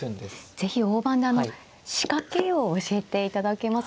是非大盤であの仕掛けを教えていただけますか。